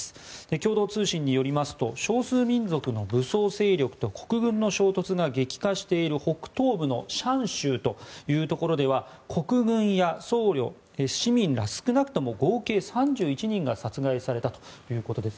共同通信によりますと少数民族の武装勢力と国軍の衝突が激化している北東部のシャン州というところでは国軍や僧侶、市民ら少なくとも合計３１人が殺害されたということです。